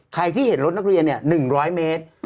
ใครที่เห็นรถนักเรียน๑๐๐เมตร